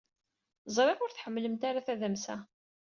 Ẓriɣ ur tḥemmlemt ara tadamsa.